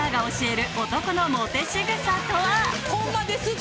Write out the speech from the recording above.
ホンマですって。